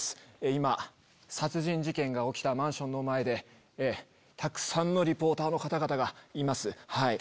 今殺人事件が起きたマンションの前でたくさんのリポーターの方々がいます。